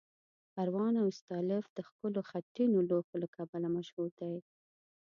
پروان او استالف د ښکلو خټینو لوښو له کبله مشهور دي.